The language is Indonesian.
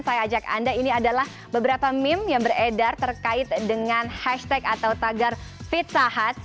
saya ajak anda ini adalah beberapa meme yang beredar terkait dengan hashtag atau tagar pizza huts